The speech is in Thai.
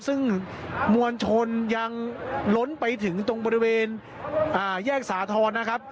ซึ่งมวลชนยังล้นไปถึงตรงบริเวณแยกสาธรณ์นะครับ